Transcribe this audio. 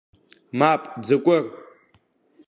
Мап, Ӡыкәыр!